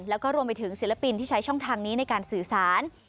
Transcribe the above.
แล้วก็รวมไปถึงศิลปินที่ใช้ช่องทางนี้ในการสื่อสาร